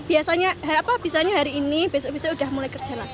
iya soalnya biasanya hari ini besok besok sudah mulai kerja lagi